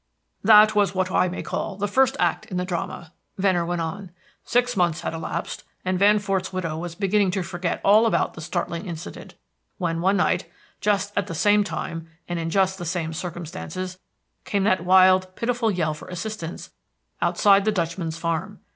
"That was what I may call the first act in the drama," Venner went on. "Six months had elapsed, and Van Fort's widow was beginning to forget all about the startling incident, when, one night, just at the same time, and in just the same circumstances, came that wild, pitiful yell for assistance outside the Dutchman's farm.